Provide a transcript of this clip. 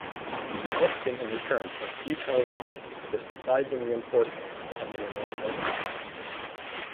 Lupton in return sent futile requests for supplies and reinforcements to Emin in Lado.